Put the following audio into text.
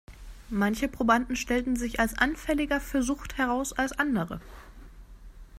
Manche Probanden stellten sich als anfälliger für Sucht heraus als andere.